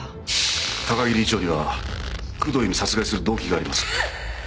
高木理事長には工藤由美を殺害する動機があります。